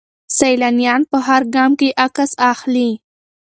سیلانیان په هر ګام کې عکس اخلي.